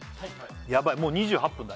やばいもう２８分だ